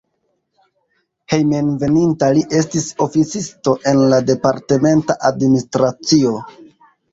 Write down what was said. Hejmenveninta li estis oficisto en la departementa administracio.